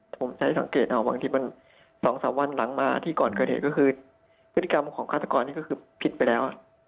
ผมใช้สังเกตเอาบางทีมัน๒๓วันหลังมาที่ก่อนเกิดเหตุก็คือพฤติกรรมของฆาตกรนี่ก็คือผิดไปแล้ว